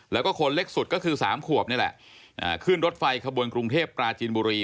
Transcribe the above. แล้วก็คนเล็กสุดก็คือสามขวบนี่แหละขึ้นรถไฟขบวนกรุงเทพปราจีนบุรี